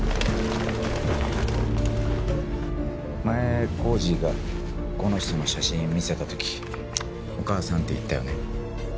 前コージーがこの人の写真見せた時「お母さん」って言ったよね？